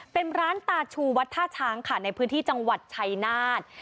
เป็นร้านตาชูวัดท่าช้างค่ะในพื้นที่จังหวัดชัยนาธ